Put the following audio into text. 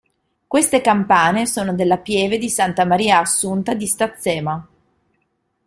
Queste campane sono della Pieve di Santa Maria Assunta di Stazzema.